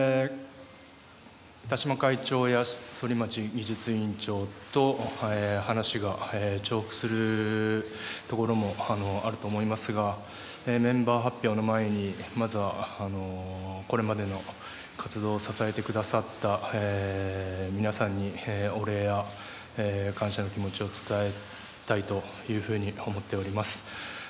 田嶋会長や反町技術委員長と話が重複するところもあると思いますがメンバー発表の前にまずは、これまでの活動を支えてくださった皆さんにお礼や感謝の気持ちを伝えたいというふうに思っております。